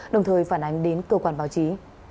đồng thời phản ánh đến cơ quan báo chí